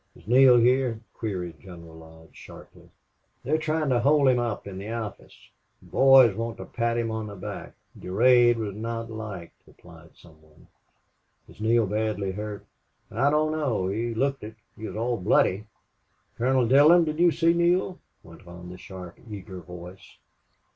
"Is Neale here?" queried General Lodge, sharply. "They're trying to hold him up in the office. The boys want to pat him on the back.... Durade was not liked," replied some one. "Is Neale badly hurt?" "I don't know. He looked it. He was all bloody." "Colonel Dillon, did you see Neale?" went on the sharp, eager voice.